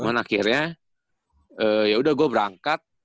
kemudian akhirnya ya udah gua berangkat